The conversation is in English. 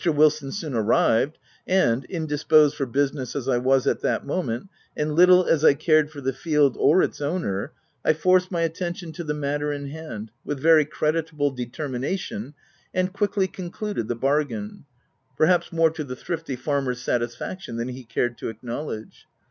Wilson soon arrived, and indisposed for business as I was at that moment, and little as I cared for the field or its owner, I forced my attention to the matter in hand, with very cre ditable determination, and quickly concluded the bargain — perhaps more to the thrifty far OF WILDFELL HALL. 233 mer's satisfaction, than he cared to acknowledge.